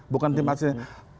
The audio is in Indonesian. bukan tim asistensi